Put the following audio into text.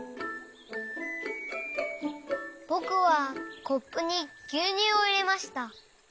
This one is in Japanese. ぼくはコップにぎゅうにゅうをいれました。